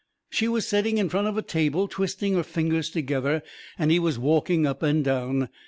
She was setting in front of a table, twisting her fingers together, and he was walking up and down.